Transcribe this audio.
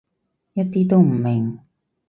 一啲都唔明